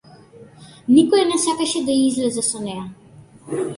Никој не сакаше да излезе со неа.